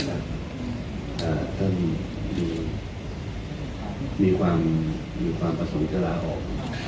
ท่านมีความมีความประสงค์จะลาออก